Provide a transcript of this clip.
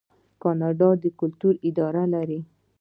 کاناډا د کلتور اداره لري.